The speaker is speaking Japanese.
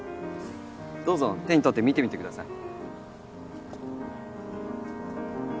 どうぞ手に取って見てみてください。